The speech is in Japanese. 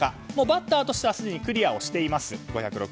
バッターとしてはすでにクリアしています。